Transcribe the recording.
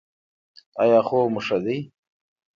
ایا خوب مو ښه دی؟